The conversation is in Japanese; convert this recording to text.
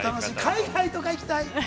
海外とか行きたい！